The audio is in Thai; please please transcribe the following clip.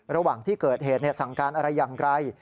ระหว่างที่เกิดเหตุสั่งการอะไรอย่างไร